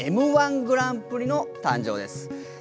Ｍ−１グランプリの誕生です。